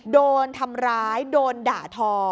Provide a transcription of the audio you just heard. โดนทำร้ายโดนด่าทอ